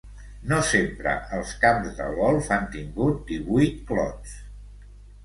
No sempre els camps de golf han tingut divuit clots.